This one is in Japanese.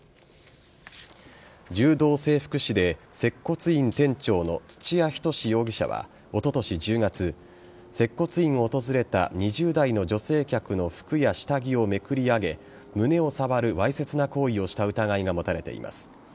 柔道整復師で接骨院店長の土谷仁志容疑者はおととし１０月接骨院を訪れた２０代の女性客の服や下着をめくり上げ胸を触るわいせつな行為をした疑いが持たれています。